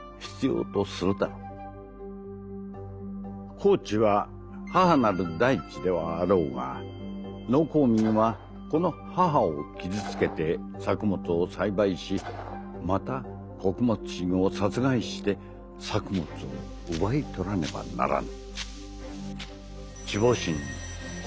「耕地は『母なる大地』ではあろうが農耕民はこの『母』を傷つけて作物を栽培しまた穀物神を殺害して作物を奪い取らねばならぬ」。